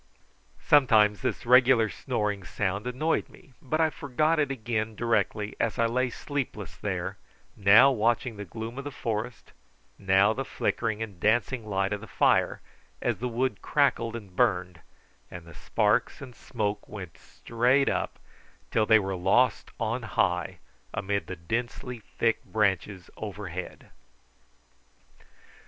Sometimes this regular snoring sound annoyed me, but I forgot it again directly as I lay sleepless there, now watching the gloom of the forest, now the flickering and dancing light of the fire as the wood crackled and burned and the sparks and smoke went straight up, till they were lost on high amid the densely thick branches overhead.